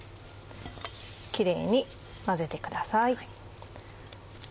キレイに混ぜてください。